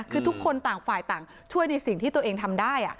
คือทุกคนต่างฝ่ายต่างช่วยในสิ่งที่ตัวเองทำได้